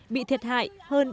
bị thiệt hại